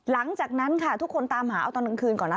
หลังจากนั้นค่ะทุกคนตามหาเอาตอนกลางคืนก่อนแล้ว